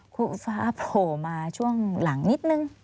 ฟ้าโผล่มาช่วงหลังนิดนึง